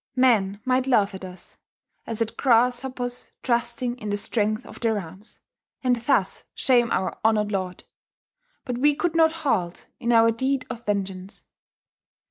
Men might laugh at us, as at grasshoppers trusting in the strength of their arms, and thus shame our honoured lord; but we could not halt in our deed of vengeance.